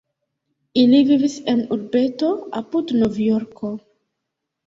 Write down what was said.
Ili vivis en urbeto apud Novjorko.